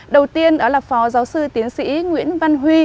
đầu tiên đó là phó giáo sư tiến sĩ nguyễn văn huy